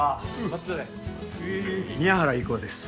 宮原郁夫です。